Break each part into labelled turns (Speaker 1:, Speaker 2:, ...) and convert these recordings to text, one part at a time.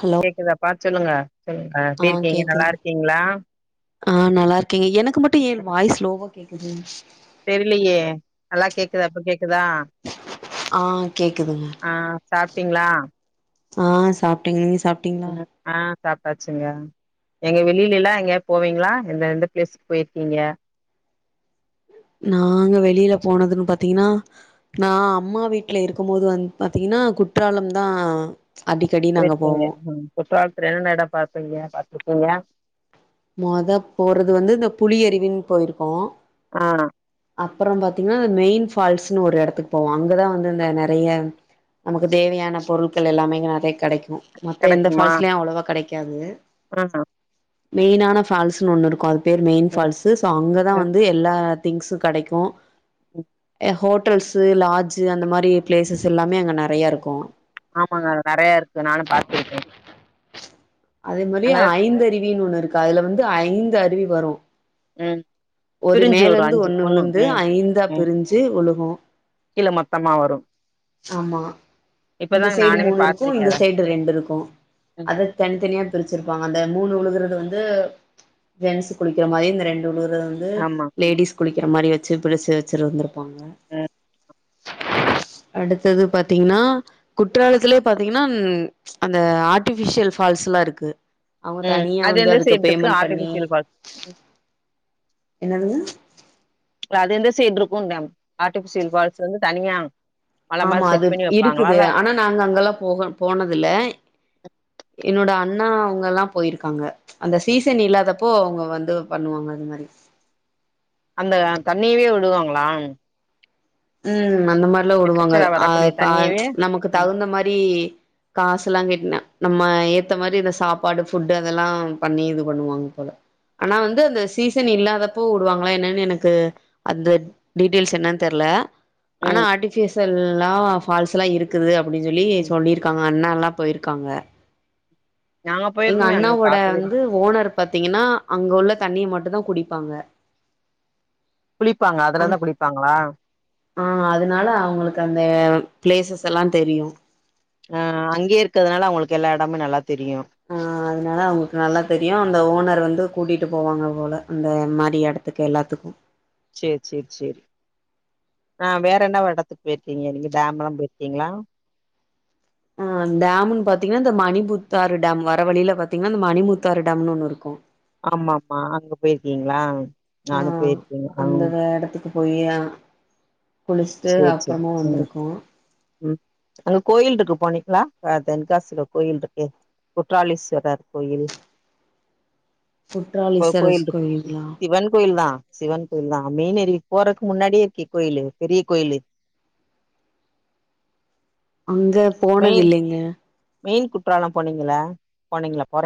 Speaker 1: Hello
Speaker 2: என்னப்பா சொல்லுங்க சொல்
Speaker 1: ஆ
Speaker 2: எப்டிருக்கீங்க
Speaker 1: கேக்குது
Speaker 2: நல்லா இருக்கீங்ளா
Speaker 1: ஆ நல்லா இருக்கேங்க எனக்கு மட்டு ஏ வாய்ஸ் லோவா கேக்குது
Speaker 2: தெரிலையே நல்லா கேக்குதா இப்ப கேக்குதா
Speaker 1: ஆ கேக்குதுங்க
Speaker 2: ஆ சாப்ட்டீங்ளா
Speaker 1: ஆ சாப்டேங்க நீங்க சாப்
Speaker 2: ஆ சாப்டாச்சுங்க எங்க வெளியிலல்லா எங்கயா போவீங்களா எந்த எந்த பிளேஸ்க்கு போயிருக்கீங்க
Speaker 1: நாங்க வெளியில போனதுன்னு பாத்தீங்ன்னா நா அம்மா வீட்ல இருக்குபோது வந்து பாத்தீங்ன்னா குற்றாலம்தா
Speaker 2: போயிருக்கீங்க குற்றாலத்ல என்னன்ன எடோ பாப்பீங்க பாத்துருக்கீங்க
Speaker 1: மொத போறது வந்து இந்த புலி அருவினு போயிருக்கோ
Speaker 2: அப்றோ
Speaker 1: அப்புறோ பாத்தீங்கன்னா இந்த மெயின் ஃபால்ஸ்ன்னு ஒரு எடத்துக்கு போவோ அங்கதா வந்து இந்த நெறைய நமக்கு தேவையான பொருட்கள் எல்லாமே நெறைய கெடைக்கு மத்த எந்த ஃபால்ஸ்லயு அவ்ளவா கெடைக்காது
Speaker 2: அப்றோ சாப்
Speaker 1: மெயினான ஃபால்ஸ்ன்னு ஒன்னு இருக்கு அது பேர் மெயின்
Speaker 2: ம்
Speaker 1: ஃபால்ஸ் சோ அங்கதா
Speaker 2: ம்
Speaker 1: வந்து எல்லா திங்ஸு கெடைக்கு
Speaker 2: ம்
Speaker 1: ஹோட்டல்ஸு லார்ஜு அந்த மாரி பிளேஸஸ் எல்லாமே அங்க நெறயா இருக்கு
Speaker 2: ஆமாங்க நெறய இருக்கு நானு பாத்திருக்கே
Speaker 1: அதே மாரி
Speaker 2: அங்க
Speaker 1: ஐந்து அருவின்னு ஒண்ணு இருக்கு அதுல வந்து ஐந்து அருவி வரு
Speaker 2: ம்
Speaker 1: ஒரு
Speaker 2: பிரிஞ்சு வரு
Speaker 1: மேலந்து
Speaker 2: அஞ்சு
Speaker 1: ஒண்ணு விழுந்து
Speaker 2: ம்
Speaker 1: ஐந்தா
Speaker 2: ம்
Speaker 1: பிரிஞ்சு உழுகு
Speaker 2: கீழ மொத்தமா வரு
Speaker 1: ஆமா இந்த
Speaker 2: இப்பதாங்க
Speaker 1: சைடு
Speaker 2: நானுமே
Speaker 1: மூணு இருக்கு
Speaker 2: பாத்திருக்கே
Speaker 1: இந்த
Speaker 2: அத
Speaker 1: சைடு ரெண்டு இருக்கு
Speaker 2: ம்
Speaker 1: அத தனி தனியா பிரிச்சிருப்பாங்க அந்த மூணு உழுகுறது வந்து ஜென்ஸ் குளிக்கிற மாரி இந்த ரெண்டு உழுகுற வந்து
Speaker 2: ஆமா
Speaker 1: து லேடிஸ் குளிக்கிற மாரி வச்சு பிடிச்சு வச்சுருந்துருப்பாங்க
Speaker 2: ம்
Speaker 1: அடுத்தது பாத்தீங்ன்னா குற்றாலத்லயே பாத்தீங்ன்னா அந்த ஆர்ட்டிஃபிஷியல் ஃபால்ஸ்லா இருக்கு அவங்க
Speaker 2: ம்
Speaker 1: தனியா
Speaker 2: அது
Speaker 1: வந்து
Speaker 2: எந்த
Speaker 1: அதுக்கு
Speaker 2: சைடு இருக்கு
Speaker 1: பேமெண்ட் பண்ணி
Speaker 2: ஆர்டிபிஷியல் ஃபால்ஸ் ம்.
Speaker 1: என்னதுங்க
Speaker 2: இல்ல அது எந்த சைடு இருக்கு டேம் ஆர்டிஃபிஷியல் பால்ஸ் வந்து தனியா மல
Speaker 1: ஆமா
Speaker 2: மாரி
Speaker 1: அது
Speaker 2: செட் பண்ணி வைப்பாங்களா
Speaker 1: இருக்குது
Speaker 2: இல்ல
Speaker 1: ஆனா நாங்க அங்கெல்லா போக போனதுல்ல என்னோட அண்ணா அவங்கல்லா போயிருக்காங்க அந்த சீசன் இல்லாதப்போ அவங்க வந்து பண்ணுவாங்க அது மாரி
Speaker 2: அந்த தண்ணியவே விடுவாங்ளா
Speaker 1: உம் அந்த மாரிலா உடுவாங்க
Speaker 2: நேச்சரா
Speaker 1: அ
Speaker 2: வரக்கூடிய
Speaker 1: கா
Speaker 2: தண்ணியவே
Speaker 1: நமக்கு
Speaker 2: ம்
Speaker 1: தகுந்த மாரி காசெல்லா கேட்னே நம்ம ஏத்த மாரி இந்த சாப்பாடு ஃபுட்டு் அதெல்லா பண்ணி இது பண்ணுவாங்க போல ஆனா வந்து அந்த சீசன் இல்லாதப்போ உடுவாங்களா என்னன்னு எனக்கு அந்த டீட்டெயில்ஸ் என்ன தெர்ல ஆனா
Speaker 2: ம்
Speaker 1: ஆர்டிஃபிஷியல்லா ஃபால்ஸ்லா இருக்குது அப்டின் சொல்லி
Speaker 2: ம்
Speaker 1: சொல்லியிருக்காங்க அண்ணால்லா போயிருக்காங்க
Speaker 2: நாங்க
Speaker 1: எங்க
Speaker 2: போயிருக்குமே ஆனா
Speaker 1: அண்ணாவோட
Speaker 2: பாத்ததே இல்ல
Speaker 1: வந்து ஓனர் பாத்தீங்கன்னா அங்க உள்ள தண்ணிய மட்டு தா குடிப்பாங்க
Speaker 2: குளிப்பாங்க அதுலதா குளிப்பாங்ளா
Speaker 1: ஆஹ் அதனால அவங்களுக்கு அந்த பிளேசஸ் எல்லா தெரியு
Speaker 2: ஆஹ் அங்கே இருக்கிறதுனால அவங்களுக்கு எல்லா எடமு நல்லா தெரியு
Speaker 1: ஆ அதனால அவங்களுக்கு நல்லா தெரியு அந்த ஓனர் வந்து கூட்டிட்டு போவாங்க போல அந்த மாரி எடத்துக்கு எல்லாத்துக்கு
Speaker 2: சேர் சேர் சேரி ஆ வேற என்ன ஒரு இடத்துக்கு போயிருக்கீங்க நீங்க டேம்ல்லா போயிருக்கீங்ளா
Speaker 1: அ டேம்ன்னு பாத்தீங்ன்னா இந்த மணிபுத்தாறு டேம் னு வர வழியில பாத்தீங்ன்னா இந்த மணிமுத்தாறு டேம்னு ஒண்ணு இருக்கு
Speaker 2: ஆமா ஆமா அங்க போயிருக்கீங்ளா நானு போயிருக்கே அஹ்
Speaker 1: ந்த இடத்துக்கு போய் குளிச்சுட்டு அப்றமா வந்திருக்கோ
Speaker 2: உம் அங்க கோயில் இருக்கு போனீங்களா தென்காசியில கோயில் இருக்கே குற்றாளீஸ்வரர் கோயில்
Speaker 1: குற்றாலீஸ்வரர்
Speaker 2: கோயில் இருக்
Speaker 1: கோயிலுங்களா
Speaker 2: சிவன் கோயில் தான் சிவன் கோயில் தான் மெயனரு விக்கு போறக்கு முன்னாடியே இருக்கு கோயில் பெரிய கோயில்
Speaker 1: அங்க போனது
Speaker 2: மெயின்
Speaker 1: இல்லைங்க
Speaker 2: மெயின் குற்றாலம் போனீங்கள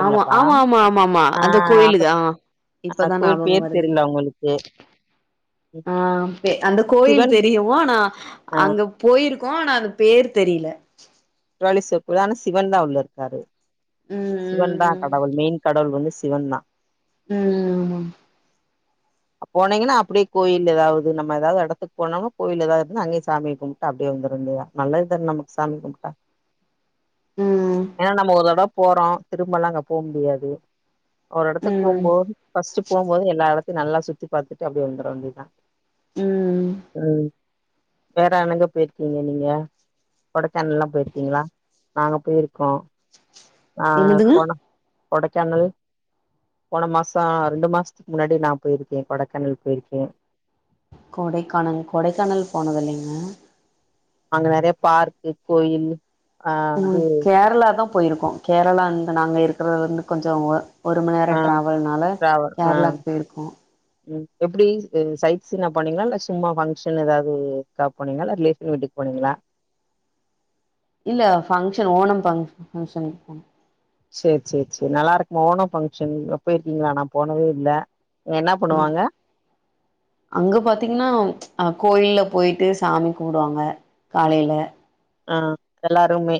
Speaker 1: ஆமா ஆமா ஆமா ஆமா ஆமா அந்த கோயிலு தா
Speaker 2: அஹ்
Speaker 1: இப்பதான்
Speaker 2: கோயில்
Speaker 1: ஞாபகம்
Speaker 2: பேர்
Speaker 1: வருது
Speaker 2: தெரியல உங்களுக்கு ம்,
Speaker 1: ஆ அந்த கோயில்
Speaker 2: சிவன்
Speaker 1: தெரியும் ஆனா
Speaker 2: ஆ
Speaker 1: அங்க போயிருக்கோம் ஆனால் அந்த பேர் தெரில
Speaker 2: குற்றாளிஸ்வரர் கோயில் ஆனா சிவன் தான் உள்ள இருக்காரு
Speaker 1: ம்
Speaker 2: சிவன் தா கடவுள் மெயின் கடவுள் வந்து சிவன் தா
Speaker 1: உம் உம்
Speaker 2: போனீங்கன்னா அப்டியே கோயில் ஏதாவது நம்ம ஏதாவது இடத்துக்கு போனம்னா கோவில் ஏதாவது இருந்தா அங்கே சாமியே கும் அப்டியே வந்துர வேண்டி தா நல்ல தான நமக்கு சாமி கும்ட்டா
Speaker 1: ம் ம்
Speaker 2: ஆ நம்ம ஒரு தட போறோம் திரும்பல்லாம் அங்க போ முடியாது ஒரு எடத்துக்கு
Speaker 1: ம்
Speaker 2: போம்போது ஃபர்ஸ்ட் போம்போது எல்லா எடத்தையும் நல்லா சுத்தி பாத்துட்டு அப்டியே வந்துர வேண்டியதுதான்
Speaker 1: உம்ம்
Speaker 2: உம் வேற எங்க போயிருக்கீங்க நீங்க கொடைக்கானல் லா போயிருக்கீங்களா நாங்க போயிருக்கோம் ஆ
Speaker 1: என்னதுங்க
Speaker 2: கொட கொடைக்கானல் போன மாசோம் ரெண்டு மாசத்துக்கு முன்னாடி நா போயிருக்கேன் கொடைக்கானல் போயிருக்கே
Speaker 1: கொடைக்கானல் கொடைக்கானல் போனது இல்லைங்க
Speaker 2: அங்க நெறைய பார்க் கோயில் ஆ
Speaker 1: உம்
Speaker 2: இது
Speaker 1: கேரளா தான் போயிருக்கோம் கேரளாந்து நாங்க இருக்கிறதுல இருந்து கொஞ்சோ ஒரு மணி
Speaker 2: ஆ
Speaker 1: நேரோம் ட்ராவல்னால கேரளாக்கு போயிருக்கோம்
Speaker 2: உம் எப்டி சைட் சீனா போனீங்களா இல்ல சும்மா ஃபங்க்ஷன் ஏதாவதுக்கா போனீங்களா ரிலேஷன் வீட்டுக்கு போனீங்களா
Speaker 1: இல்ல பங்க்ஷன் ஓணம் பங்ஷன்
Speaker 2: சேரி சேரி சேரி நல்லா இருக்கு ஓணம் பங்க்ஷன் போயிருக்கீங்களா நான் போனதே இல்ல என்ன
Speaker 1: ஆ
Speaker 2: பண்ணுவாங்க
Speaker 1: அங்க பாத்தீங்கன்னா அ கோயில்ல போயிட்டு சாமி கும்புடுவாங்க காலையில
Speaker 2: ஆ எல்லாருமே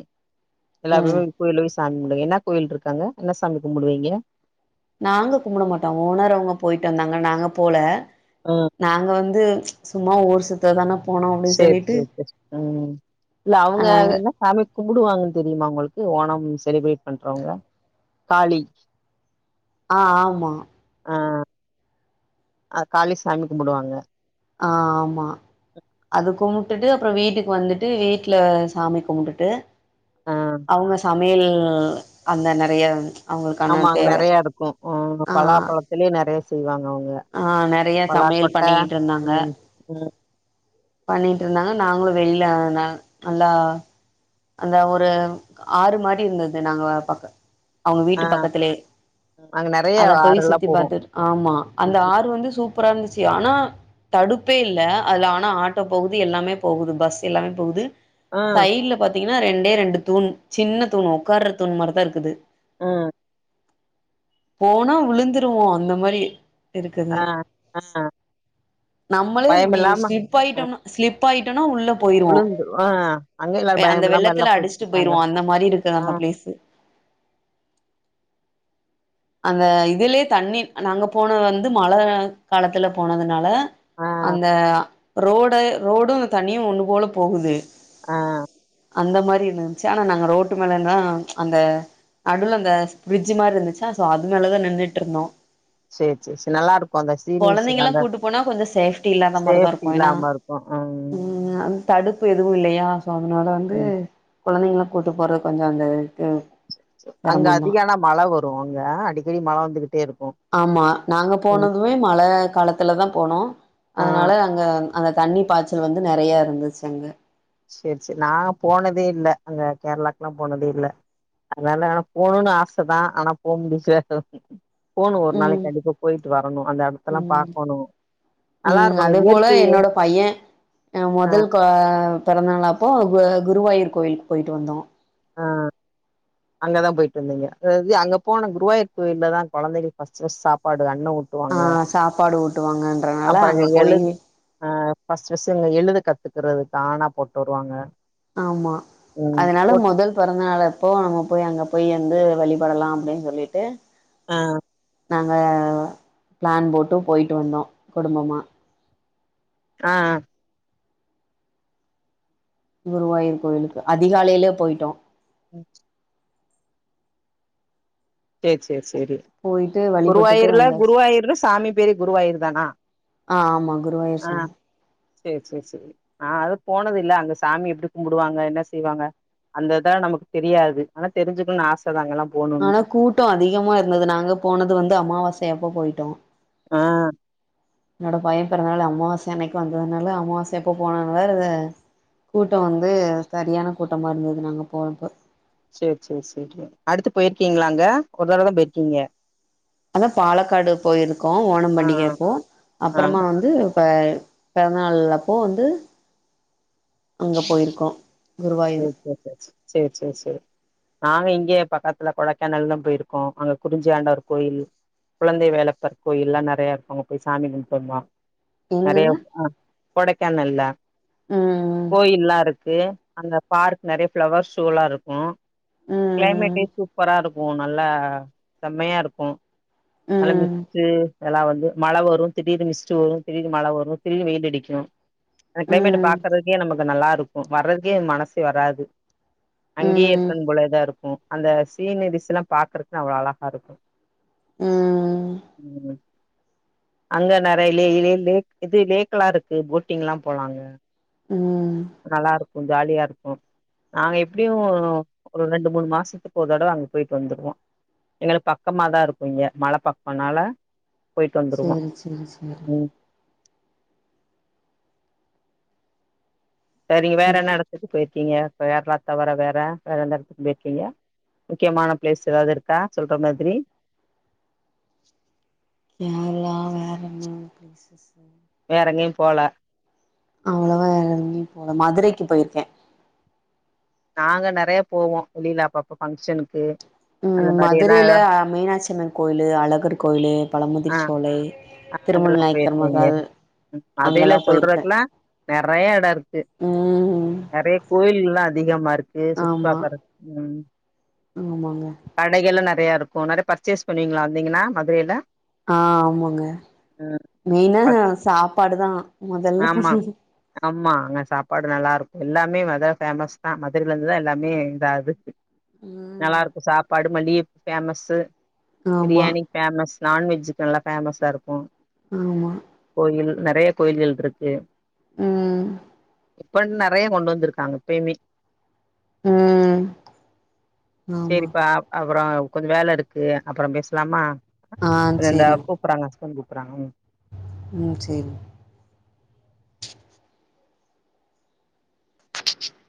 Speaker 1: ம்
Speaker 2: எல்லாரும் கோயில சாமி குமுடுங்க என்ன கோயில் இருக்கு அங்க என்ன சாமி குமுடுவீங்க
Speaker 1: நாங்க கும்புட மாட்டோம் ஓனர் அவுங்க போயிட்டு வந்தாங்க நாங்க போல
Speaker 2: ஆ
Speaker 1: நாங்க வந்து சும்மா ஊர் சுத் அ தான போனோம்
Speaker 2: சேரி சேரி சேரி உம் இல்ல
Speaker 1: அ
Speaker 2: அவுங்க
Speaker 1: நாங்க
Speaker 2: என்ன சாமி கும்புடுவாங்கன்னு தெரியுமா உங்களுக்கு ஓணம் செலிப்ரேட் பண்றவங்க காளி
Speaker 1: ஆ ஆமா
Speaker 2: ஆ அ அ காளி சாமி கும்புடுவாங்க
Speaker 1: ஆமா அது கும்டுட்டு அப்புற வீட்டுக்கு வந்துட்டு வீட்ல சாமி கும்புடுட்டு
Speaker 2: ஆ
Speaker 1: அவுங்க சமையல் அந்த நறைய
Speaker 2: ஆமா அங்க நறைய இருக்கு
Speaker 1: ஆ
Speaker 2: பலாப்பழத்திலே நறைய செய்வாங்க அவுங்க
Speaker 1: ஆ நறைய சமையல் பண்ணிக்கிட்ருந்தாங்க
Speaker 2: ம் ம்
Speaker 1: பண்ணிட்டு இருந்தாங்க நாங்ளு வெளில நல்லா அந்த ஒரு ஆறு மாடி இர்ந்திது நாங்க பாக்க அவுங்க
Speaker 2: ஆ
Speaker 1: வீட்டு பக்கத்திலே
Speaker 2: அங்க நெறைய
Speaker 1: அத போய்
Speaker 2: ஆறெல்லா
Speaker 1: சுத்தி
Speaker 2: போகு
Speaker 1: பாத்திட் ஆமா அந்த
Speaker 2: ம்
Speaker 1: ஆறு வந்து சு ப்பரா இர்ந்திச்சி ஆனா தடுப்பே இல்ல அதுல ஆனா ஆட்டோ போகுது எல்லாமே போகுது பஸ் எல்லாமே போகுது
Speaker 2: ஆ
Speaker 1: சைட்ல பாத்தீங்கனா ரெண்டே ரெண்டு தூண் சின்ன தூண் உக்கார்ற தூண் மார்தா இர்ந்துது
Speaker 2: ம்
Speaker 1: போனா விழுந்துருவோ அந்த மாரி இருக்குது
Speaker 2: ஆ ஆ
Speaker 1: நம்பளே இப்டி
Speaker 2: பயமில்லாம
Speaker 1: ஸ்லி ப் ஆயிட்டோம்னா ஸ்லிப் ஆயிட்டனா உள்ள போயிருவோ
Speaker 2: விழுந்து ஆ அங்க எல்லாரு
Speaker 1: அந்த
Speaker 2: பயமில்லாம எல்லா
Speaker 1: வெள்ளத்துல
Speaker 2: போய்டு
Speaker 1: அடிச்சுட்டு
Speaker 2: வந்ட்டாங்க
Speaker 1: போயிருவோ அந்த மாரி இருக்குது
Speaker 2: ஆ
Speaker 1: அந்த பிளேஸு அந்த இதுலே தண்ணி நாங்க போனது வந்து மழக காலத்துல போனதுனால
Speaker 2: ஆ
Speaker 1: அந்த ரோட ரோடு தண்ணியு ஒண்ணு போல போகுது
Speaker 2: ஆ
Speaker 1: அந்த மாரி இருந்ச்சா அனா நாங்க ரோட்டு மேலர்ந்தா அந்த அடுல அந்த பிரிட்ஜ் மார்ருந்துச்சு தசோ அது மேலதா நின்னிட்ருந்தோ
Speaker 2: சேர் சேர் சே நல்லா இருக்கு அந்த சீனிஸு
Speaker 1: கொழந்தைங்கல்லா
Speaker 2: அந்த
Speaker 1: கூட்டு போனா கொஞ்சோ சேஃப்டி இல்லாத
Speaker 2: சேப்டி இல்லாம இருக் ம்
Speaker 1: உ அ தடுப்பு எதுவு இல்லையா சோ அதனால வந்து
Speaker 2: ம்
Speaker 1: குழந்தைங்கிலா கூட்டு போறது கொஞ்ச அந்த
Speaker 2: அங்க
Speaker 1: செரமந்தா
Speaker 2: அதிகன மழ வரு அங்க அடிக்கடி மழ வந்துகிட்டே இருக்கு
Speaker 1: ஆமா நாங்க
Speaker 2: ம்
Speaker 1: போனதுமே மழ காலத்துலதா போனோ
Speaker 2: ஆ
Speaker 1: அதனால அங் அங்க அந் அந்த தண்ணி பாய்ச்சல் வந்து நறைய இருந்துச்சு அங்க
Speaker 2: சேர் சேர் நாங்க போனதே இல்ல அங்க கேரளாக்லா போனதே இல்ல அதனால ஆன போணுனு ஆச தா ஆனா போக முடிச்சாது போணு ஒர்
Speaker 1: ம்.
Speaker 2: நாளைக் கண்டிப்பா போயிட்டு வரணு அந்த எட்தெல்லா
Speaker 1: ம்.
Speaker 2: பாக்கோணு
Speaker 1: ம் அதே போல என்னோட பைய அ
Speaker 2: ஆ
Speaker 1: முதல் கொ பிறந்தநாளப்போ கு குருவாயூர் கோயில்கு போய்ட்டு வந்தோ
Speaker 2: ஆ அங்கதா போயிட் ருந்தீங்க அதுவந் அங்க போன குருவாயூ கோயில்ல தா கொழந்தைகளுக் பஸ்ட்பஸ்ட் சாப்பாடு அண்ண ஊட் தோ
Speaker 1: ஆ
Speaker 2: அங்க
Speaker 1: சாப்பாடு ஊட்டுவாங்க
Speaker 2: அப்பற இங்க எழு ஆ பஸ்ட்பஸ்டு எழுத கத்துக்கிறதுக் ஆ னா போட்டு வருவாங்க
Speaker 1: ஆமா
Speaker 2: ம்
Speaker 1: அதனால
Speaker 2: போட்
Speaker 1: முதல் பிறந்தநாளா அப்போ நம்ம போய் அங்க போய் எந்து வழிபடலா அப்டின் சொல்லிட்டு
Speaker 2: ஆ
Speaker 1: நாங்க பிளான் போட்டு போய்ட்டு வந்தோ குடும்பமா
Speaker 2: ம் ம்
Speaker 1: குருவாயிர் கோவிலுக்கு அதிகாலைலே போயிட்டோ
Speaker 2: ம் சேர் சேர் சேரி
Speaker 1: போயிட்டு வழிபட்டுட்டு
Speaker 2: குருவாயூர்ல
Speaker 1: வந்தாச்சு
Speaker 2: குருவாயூர்ல சாமி பேரு குருவாயூர் தானா
Speaker 1: ஆமா குருவாயூர் சாமி
Speaker 2: சேர் சேர் சேரி ஆ அது போனதில்ல அந்த சாமி எப்டி கும்புடுவாங்க என்ன செய்வாங்க அந்த இதா நமக்கு தெரியாது ஆனா தெரிஞ்சுக்கணு ஆச தா அங்க எல்லா
Speaker 1: ஆனா கூட்டோ அதிகமா இருந்தது நாங்க போனது வந்து அமாவாசையப்ப போயிட்டோ
Speaker 2: ஆ
Speaker 1: என்னோட பைய பெறந்தநாள் அமாவாச அன்னைக்கு வந்ததுனால அமாவாசைபப்போ போனதுனால இது கூட்டோ வந்து சரியான கூட்டமா இருந்தது நாங்க போனப்ப
Speaker 2: சேர் சேர் செரி அடுத்து போயிரிக்கீங்களா அங்க ஒரு தடவத்த போயிரிக்கீங்க
Speaker 1: அதா பாலக்காடு போயிருக்கோ ஓணம்
Speaker 2: ஆ
Speaker 1: பண்டிகையப்போ
Speaker 2: ஆ ஆ.
Speaker 1: அப்பறமா வந்து ப பெறந்தநாள் அப்போ வந்து அங்க போயிருக்கோ குருவாயூர்
Speaker 2: சேர் [inaudible] சேர் சேர் சேரி நாங்க இங்கேயே பக்கத்துல கொடைக்கானல்தா போயிருக்கோ அங்க குறிஞ்சியாண்டவர் கோயில் குழந்தைவேலப்பர் கோயில் எல்லா நெறையா இருக்கு அங்க போய் சாமி கும்ட்டு வந்தோ நறைய
Speaker 1: எங்கங்க
Speaker 2: கொடைக்கானல்ல
Speaker 1: ஆ
Speaker 2: கோயில்லா இருக்கு அங்க பார்க் நறைய ஃபளவர் ஷோவெல்லா இருக்கு கிளைமேட்டே
Speaker 1: ம்
Speaker 2: சூப்பரா இருக்கு நல்லா செம்மையா இருக்கு மழ
Speaker 1: ம் ம்
Speaker 2: மிச்சு எல்லா வந்து மழ வரு திடீர்னு மிஸ்டு வரு திடீர் மழ வரு திடீர்னு வெயில் அடிக்கு அந்த கிளைமேட்ட
Speaker 1: ம்
Speaker 2: பாக்குறதுக்கே நமக்கு நல்லா இருக்கு வர்றக்கே மனசு வராது அங்கேயே
Speaker 1: ம்
Speaker 2: இருக்கனு போலதா இருக்கு அந்த சீனரிஸ்ல்லா பாக்குறக்கு அவ்ளோ அழகா இருக்கு ம் அங்க நெறைய லே லே லேக் இது லேக் எல்லா இருக்கு போட்டிங்ல்லா போலாங்க
Speaker 1: ம்
Speaker 2: நல்லா இருக்கு ஜாலியா இருக்கு நாங்க எப்டியு ஒரு ரெண்டு மூணு மாசத்துக்கு ஒரு தடவ அங்க போயிட்டு வந்துருவோ எங்களுக் பக்கமாதா இருக்கு இங்க மல பக்கேனால போயிட்டு வந்துருவோ
Speaker 1: சேரி சேரி சேரி
Speaker 2: ம் சரிங்க வேற
Speaker 1: சரி
Speaker 2: என்ன எடத்துக்கு போயிருக்கீங்க கேரளா தவர வேற வேற எந்த எடத்துக்கு போயிருக்கீங்க முக்கியமான பிளேஸ் ஏதாது இருக்கா சொல்ற மாதிரி
Speaker 1: கேரளா வேற என்ன பிளேசஸ்
Speaker 2: வேற எங்கயு போல
Speaker 1: அவ்ளவா எங்கயு போல மதுரைக்கு போயிருக்கே
Speaker 2: நாங்க நறைய போவோ வெளில அப்பப்ப ஃபங்க்ஷனுக்கு அந்த
Speaker 1: ம்
Speaker 2: மாரி எல்லா
Speaker 1: மதுரையில மீனாட்சி அம்மன் கோயிலு அழகர் கோயிலு பழமுதிர் சோலை திருமண
Speaker 2: அங்கல்லா
Speaker 1: நாயக்கர்
Speaker 2: போயிருக்கேங்க
Speaker 1: மகால்
Speaker 2: அதையெல்ல
Speaker 1: அங்கெல்லா போயிருக்கே
Speaker 2: சொல்றதுக்குல்லா நறைய எடோ இருக்கு
Speaker 1: ம்
Speaker 2: நறைய கோயில்லா அதிகமா இருக்கு சுத்தி
Speaker 1: ஆமா
Speaker 2: பாக்கரக் ம்
Speaker 1: ஆமாங்க
Speaker 2: கடைகளு நறைய இருக்கு நறைய பர்ச்சேஸ் பண்ணுவீங்களா வந்தீங்கன்னா மதுரையில
Speaker 1: ஆ ஆமாங்க
Speaker 2: ம்
Speaker 1: மெயினா
Speaker 2: பச்
Speaker 1: சாப்பாடுதா
Speaker 2: ஆமா ஆம்மா அங்க சாப்பாடு நல்லா இருக்கு எல்லாமே மதுர ஃபேமஸ் தா மதுரையிலருந்துதா எல்லாமே இதாது
Speaker 1: ம்
Speaker 2: நல்லாருக்கு சாப்பாடு மல்லியப் ஃபேமஸு
Speaker 1: ஆமா
Speaker 2: பிரியாணி ஃபேமஸ் நான்வெஜ்ஜுக்கு நல்லா ஃபேமஸா இருக்கு
Speaker 1: ஆமா
Speaker 2: கோயில் நெறைய கோயில்கள் இருக்கு
Speaker 1: உம்
Speaker 2: இப்ப நெறைய கொண்டு வந்திருக்காங்க எப்பயுமே
Speaker 1: ம் ஆமா
Speaker 2: சேரிப்பா அப்றோ கொஞ்சோ வேல இருக்கு அப்றோ பேசலாமா
Speaker 1: ஆ
Speaker 2: ரெண்டு அப்
Speaker 1: சேரிங்
Speaker 2: கூப்ட்றாங்க ஹஸ்பண்ட் கூப்றாங்க
Speaker 1: உம் சேரி [inaudible]